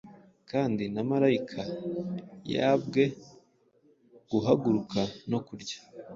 Kandi na Malayika yaabwe guhaguruka no kurya,